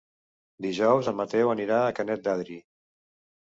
Dijous en Mateu anirà a Canet d'Adri.